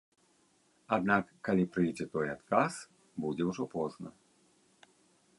Аднак, калі прыйдзе той адказ, будзе ўжо позна.